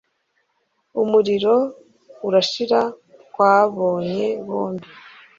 Umuriro urashira. Twabonye bombi